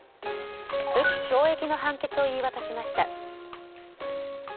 無期懲役の判決を言い渡しました。